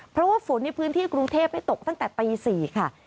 เพราะว่าฝนในพื้นที่กรุงเทพให้ตกตั้งแต่ตี๔ค่ะ